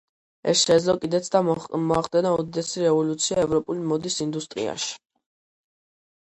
ეს შეძლო კიდეც და მოახდინა უდიდესი რევოლუცია ევროპული მოდის ინდუსტრიაში.